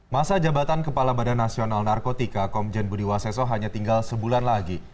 masa jabatan kepala badan nasional narkotika komjen budi waseso hanya tinggal sebulan lagi